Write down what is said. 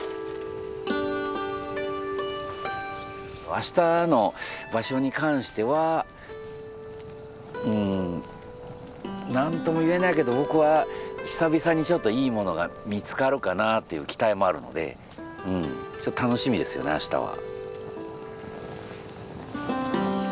明日の場所に関してはうん何とも言えないけど僕は久々にちょっといいものが見つかるかなっていう期待もあるのでちょっと楽しみですよね明日は。